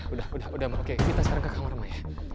udah udah udah ma oke kita sekarang ke kamar mama ya